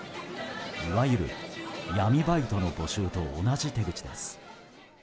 いわゆる闇バイトの募集と同じ手口です。